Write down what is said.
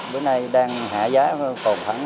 bữa nay đang hạ giá còn thẳng